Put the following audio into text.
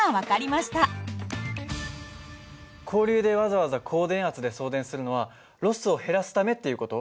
交流でわざわざ高電圧で送電するのはロスを減らすためっていう事？